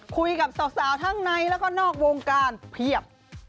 คุยกับสาวทั้งในแล้วก็นอกวงการเพียบ